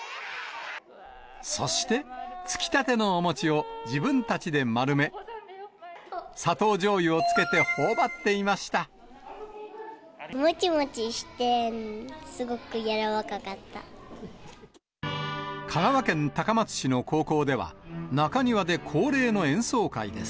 そして、つきたてのお餅を自分たちで丸め、砂糖じょうゆをつけてほおばってもちもちして、香川県高松市の高校では、中庭で恒例の演奏会です。